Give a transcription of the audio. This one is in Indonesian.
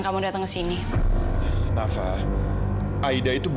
kau tidak mengenal ibu